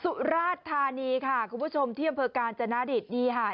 สุราชธานีค่ะคุณผู้ชมที่อำเภอกาญจนาดิตนี่ค่ะ